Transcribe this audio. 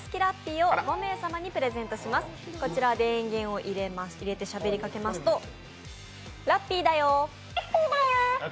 こちら電源を入れてしゃべりかけますとラッピーだよ。